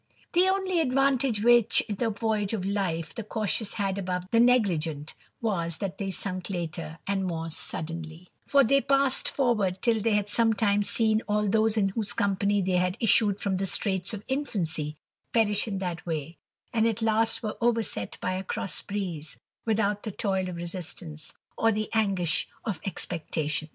The only advantage which, in the voyage of life, the cautious had above the negligent, was, that they sunk later, and more suddenly ; for they passed forward till they had sometimes seen all those in whose company they had issued from the streights of infancy, perish in the way, and at last were overset by a cross breeze, without the toil of resistance, or the anguish of expectation.